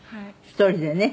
１人でね。